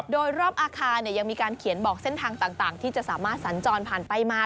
โดยรอบอาคารยังมีการเขียนบอกเส้นทางต่างที่จะสามารถสัญจรผ่านไปมา